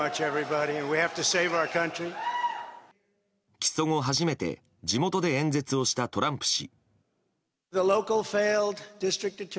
起訴後、初めて地元で演説をしたトランプ氏。